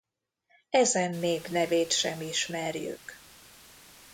Ezen nép nevét sem ismerjük.